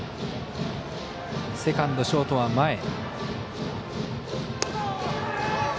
セカンド、ショートは前。